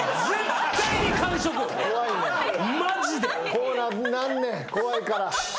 こうなんねん怖いから。